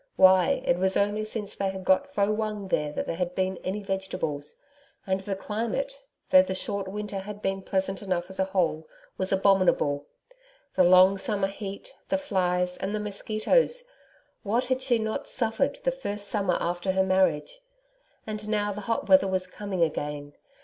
Why, it was only since they had got Fo Wung that there had been any vegetables. And the climate though the short winter had been pleasant enough as a whole was abominable. The long summer heat, the flies and the mosquitoes! What had she not suffered the first summer after her marriage! And now the hot weather was coming again.